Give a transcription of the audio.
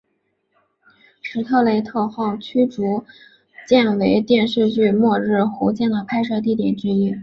史特雷特号驱逐舰为电视剧末日孤舰的拍摄地点之一